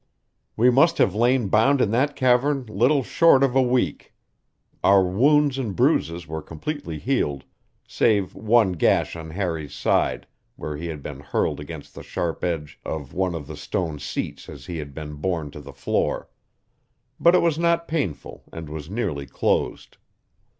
We must have lain bound in that cavern little short of a week. Our wounds and bruises were completely healed, save one gash on Harry's side where he had been hurled against the sharp edge of one of the stone seats as he had been borne to the floor. But it was not painful, and was nearly closed.